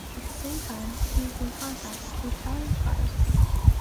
At the same time he was in contact with the Italian partisans.